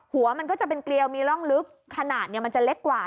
หัวมันก็จะเป็นเกลียวมีร่องลึกขนาดมันจะเล็กกว่า